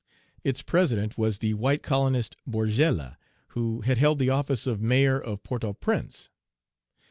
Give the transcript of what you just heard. Its president was the white colonist Borgella, who had held the office of Mayor of Port au Prince.